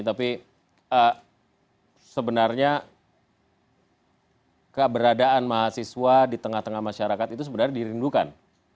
tapi sebenarnya keberadaan mahasiswa di tengah tengah masyarakat itu sebenarnya dirindukan